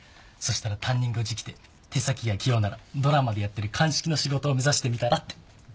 したら担任がうち来て手先が器用ならドラマでやってる鑑識の仕事を目指してみたらって。